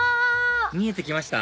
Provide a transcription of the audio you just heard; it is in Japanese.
見えてきました？